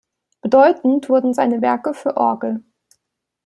Bedeutend wurden seine Werke für Orgel